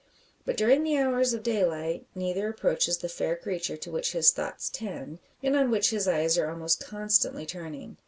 But during the hours of daylight neither approaches the fair creature to which his thoughts tend, and on which his eyes are almost constantly turning.